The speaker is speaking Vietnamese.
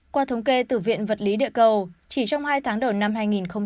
qua thống kê từ viện vật lý địa cầu chỉ trong hai tháng đầu năm hai nghìn hai mươi